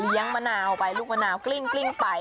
เลี้ยงมะนาวไปลูกมะนาวกลิ้งไป